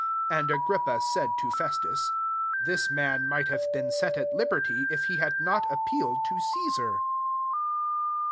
32 And Agrippa said to Festus, "This man might bssfe been set at liberty, if he bad not appealed to Caesar.'